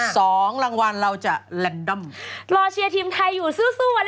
สู้อันดับบอลไทยนันสู้